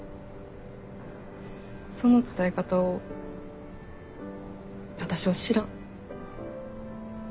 その伝え方を私は知らん。